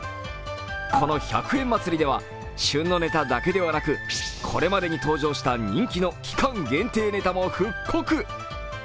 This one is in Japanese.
この１００円祭では旬のネタだけでなくこれまでに登場した人気の期間限定ネタも復刻。